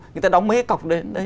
người ta đóng mấy cái cọc đấy